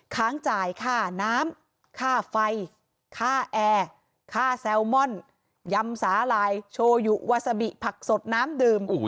ค้างจ่ายค่าน้ำค่าไฟค่าแอร์ค่าแซลมอนยำสาหร่ายโชยุวาซาบิผักสดน้ำดื่ม